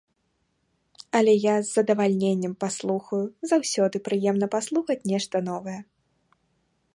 Але я з задавальненнем паслухаю, заўсёды прыемна паслухаць нешта новае.